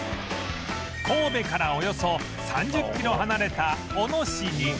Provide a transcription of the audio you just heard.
神戸からおよそ３０キロ離れた小野市に